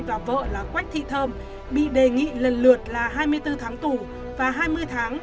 và vợ là quách thị thơm bị đề nghị lần lượt là hai mươi bốn tháng tù và hai mươi tháng